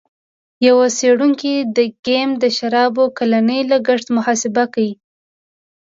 یوه څېړونکي د کیم د شرابو کلنی لګښت محاسبه کړی.